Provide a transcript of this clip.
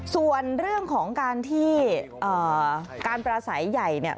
ส่วนเรื่องของการที่การปราศัยใหญ่เนี่ย